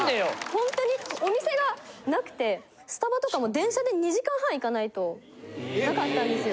ホントにお店がなくてスタバとかも電車で２時間半行かないとなかったんですよ。